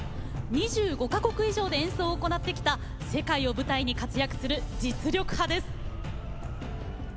２５か国以上で演奏を行ってきた世界を舞台に活躍する実力派です。